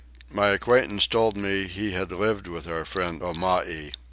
My acquaintance told me that he had lived with our friend Omai.